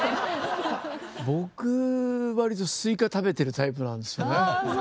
僕割とスイカ食べてるタイプなんですよね。